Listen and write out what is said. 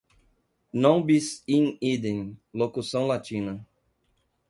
non bis in idem, locução latina